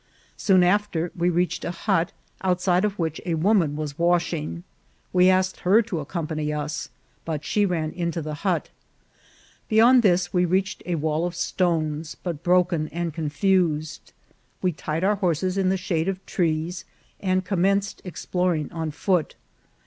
Soon after we reached a hut, outside of which a woman was washing. We asked her to ac DESCRIPTION OF THE RUINS. 153 company us, but she ran into the hut. Beyond this we reached a wall of stones, but broken and confused. We tied our horses in the shade of trees, and commenced ex ploring on foot.